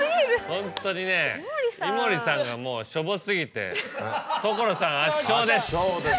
ホントにね井森さんがもうしょぼ過ぎて所さん圧勝です。